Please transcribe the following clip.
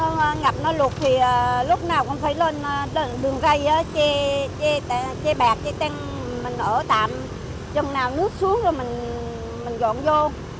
nếu ngập nó lụt thì lúc nào cũng phải lên đường gây chê bạc chê tăng mình ở tạm chồng nào nút xuống rồi mình dọn vô